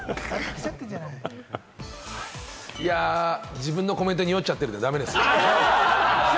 自分のコメントに酔っちゃってるからダメですね。